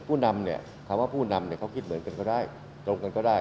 ผู้นำเนี่ยคำว่าผู้นำเนี่ยเขาคิดเหมือนกันก็ได้ตรงกันก็ได้